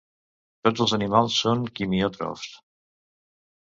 Tots els animals són quimiòtrofs.